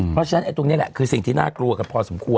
เพราะฉะนั้นตรงนี้แหละคือสิ่งที่น่ากลัวกันพอสมควร